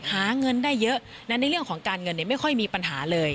หาเงินได้เยอะนั้นในเรื่องของการเงินไม่ค่อยมีปัญหาเลย